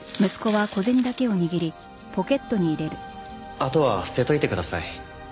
あとは捨てといてください。